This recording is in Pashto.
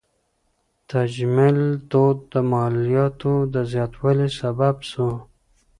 د تجمل دود د مالیاتو د زیاتوالي سبب سو.